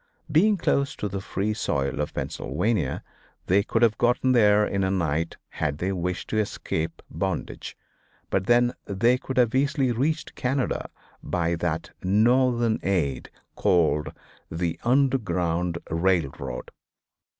Being close to the free soil of Pennsylvania they could have gotten there in a night had they wished to escape bondage, and then they could have easily reached Canada by that Northern aid, called the "Underground Railroad."